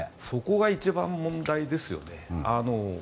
そこが一番問題ですよね。